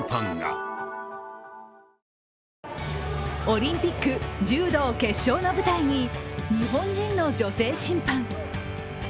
オリンピック、柔道決勝の舞台に日本人の女性審判。